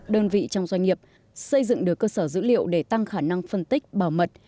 đơn vị trong doanh nghiệp xây dựng được cơ sở dữ liệu để tăng khả năng phân tích bảo mật